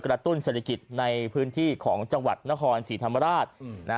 ตุ้นเศรษฐกิจในพื้นที่ของจังหวัดนครศรีธรรมราช